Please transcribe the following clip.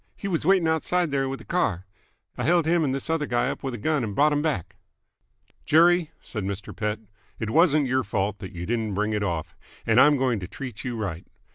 He w's waiting outside there with a car. I held h'm and this other guy up w'th a gun and brought 'em back!" "Jerry," said Mr. Pett, "it wasn't your fault that you didn't bring it off, and I'm going to treat you right.